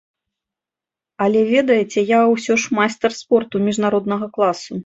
Але, ведаеце, я ўсё ж майстар спорту міжнароднага класу.